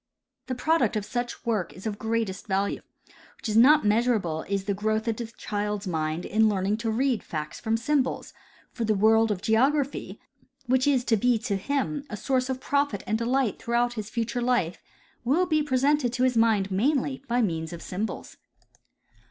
The product of such work of greatest value Avhich is not measurable is the growth of the child's mind in learning to reacl facts from symbols, for the world of geography, 142 W. B. Powell — Geographic Instruction. which is to be to him a source of profit and delight throughout his future life, will be presented to his mind mainly by means of symbols.